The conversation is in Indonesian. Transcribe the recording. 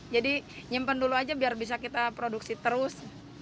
jadi nyimpen dulu aja biar bisa kita produksi terus